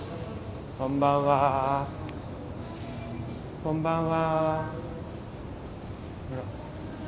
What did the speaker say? こんばんは。